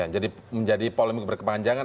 jadi menjadi polemik berkepanjangan